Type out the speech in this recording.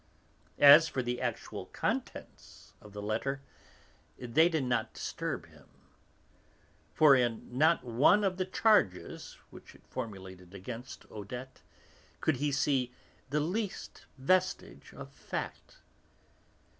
As for the actual contents of the letter, they did not disturb him; for in not one of the charges which it formulated against Odette could he see the least vestige of fact.